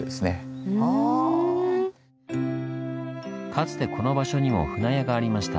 かつてこの場所にも舟屋がありました。